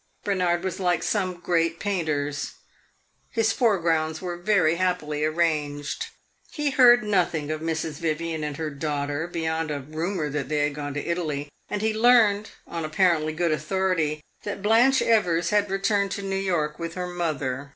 Bernard was like some great painters; his foregrounds were very happily arranged. He heard nothing of Mrs. Vivian and her daughter, beyond a rumor that they had gone to Italy; and he learned, on apparently good authority, that Blanche Evers had returned to New York with her mother.